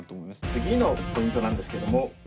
次のポイントなんですけども。